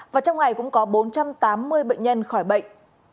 và trong ngày cũng có bốn trăm tám mươi bệnh nhân khỏi bệnh